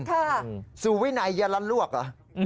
ค่ะสุวินัยเยียรันร่วกเหรอ